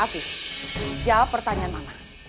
ati jawab pertanyaan mama